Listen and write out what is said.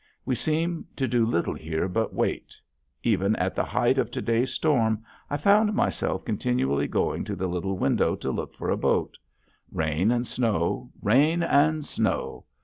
We seem to do little here but wait. Even at the height of to day's storm I found myself continually going to the little window to look for a boat. Rain and snow, rain and snow!